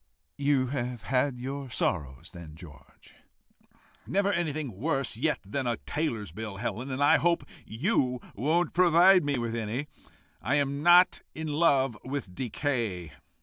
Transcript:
"You have had your sorrows, then, George?" "Never anything worse yet than a tailor's bill, Helen, and I hope you won't provide me with any. I am not in love with decay.